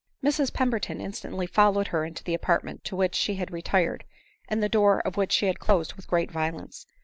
Mrs Pemberton instantly followed her into the apart ment to which she had retired, and the door of which she had closed with great violence.